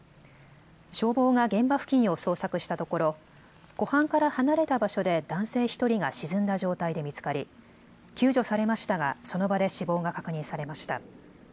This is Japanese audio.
消防が現場付近を捜索したところ湖畔から離れた場所で男性１人が沈んだ状態で見つかり救助されましたがその場で死亡が確認されました。